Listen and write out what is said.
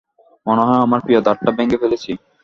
মনে হয় আমার প্রিয় দাঁতটা ভেঙে ফেলেছি।